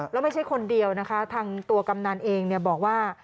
แล้วไม่ใช่คนเดียวนะคะทางตัวกำนันเองบอกว่า